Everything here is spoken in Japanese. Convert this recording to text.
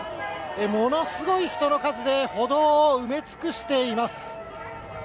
ものすごい人の数で、歩道を埋め尽くしています。